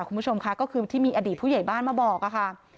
คุณผู้ชมค่ะก็คือที่มีอดีตผู้ใหญ่บ้านมาบอกค่ะ